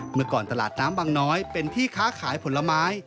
เมื่อก่อนตลาดน้ำบางน้อยเป็นที่ค้าขายผลไม้